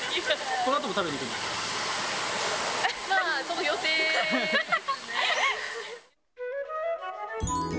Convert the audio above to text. このあとも食べに行くんですまあ、その予定ですね。